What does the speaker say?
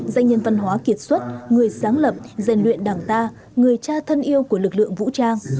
danh nhân văn hóa kiệt xuất người sáng lập rèn luyện đảng ta người cha thân yêu của lực lượng vũ trang